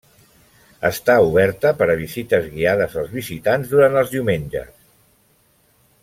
Està oberta per a visites guiades als visitants durant els diumenges.